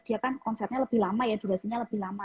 dia kan konsernya lebih lama ya durasinya lebih lama